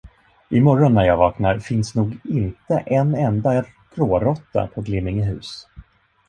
I morgon, när jag vaknar, finns nog inte en enda gråråtta på Glimmingehus.